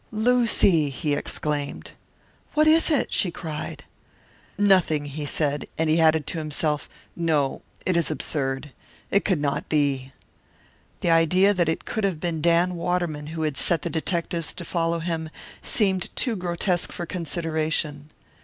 "Lucy!" he exclaimed. "What is it?" she cried. "Nothing," he said; and he added to himself, "No, it is absurd. It could not be." The idea that it could have been Dan Waterman who had set the detectives to follow him seemed too grotesque for consideration.